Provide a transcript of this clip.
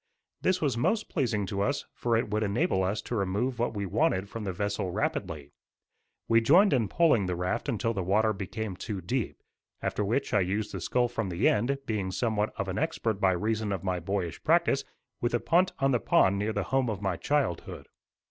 This was most pleasing to us for it would enable us to remove what we wanted from the vessel rapidly. We joined in poling the raft until the water became too deep, after which I used the scull from the end, being somewhat of an expert by reason of my boyish practice with a punt on the pond near the home of my childhood.